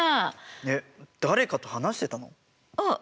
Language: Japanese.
えっ誰かと話してたの？